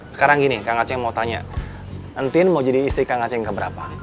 sekarang gini kang acing mau tanya nanti mau jadi istri kang acing keberapa